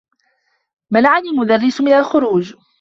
منعني المدرّس من الخروج.